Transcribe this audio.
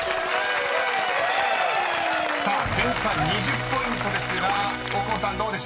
［さあ点差２０ポイントですが大久保さんどうでしょう？］